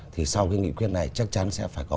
thì sau cái nghị quyết này chắc chắn sẽ phải có